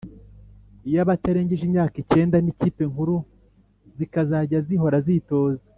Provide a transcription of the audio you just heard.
iy’Abatarengeje imyaka icyenda n’Ikipe Nkuru zikazajya zihora zitoza